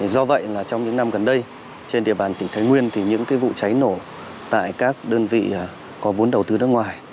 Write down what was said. do vậy là trong những năm gần đây trên địa bàn tỉnh thái nguyên thì những vụ cháy nổ tại các đơn vị có vốn đầu tư nước ngoài